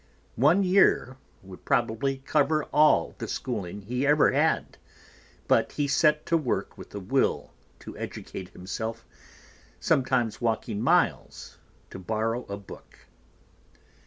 One year would probably cover all the schooling he ever had, but he set to work with a will to educate himself, sometimes walking miles to borrow a book.